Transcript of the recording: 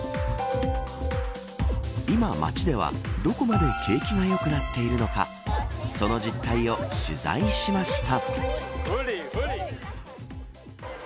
今、街ではどこまで景気が良くなっているのかその実態を取材しました。